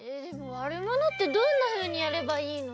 ワルモノってどんなふうにやればいいの？